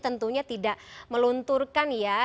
tentunya tidak melunturkan ya